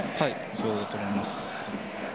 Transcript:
そうだと思います。